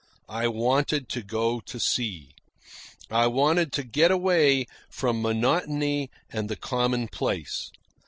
I wanted to go to sea. I wanted to get away from monotony and the commonplace.